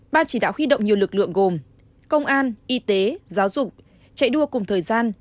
ban chỉ đạo huy động nhiều lực lượng gồm công an y tế giáo dục chạy đua cùng thời gian